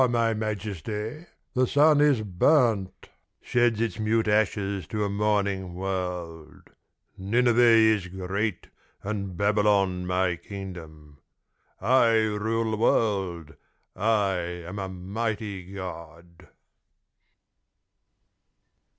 — Before my majesty the sun is burnt, Sheds its mute ashes to a mourning world. Nineveh is great and Babylon my Kingdom. I rule the world. I am a mighty God.'